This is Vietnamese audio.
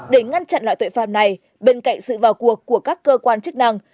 để ngăn chặn loại tội phạm này bên cạnh sự vào cuộc của các cơ quan chức năng